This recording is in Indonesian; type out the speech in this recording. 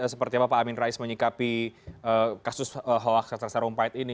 dari seperti apa pak amin rais menyikapi kasus hoax sastra serumpait ini